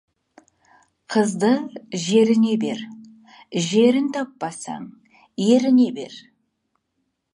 Қызды жеріне бер, жерін таппасаң, еріне бер.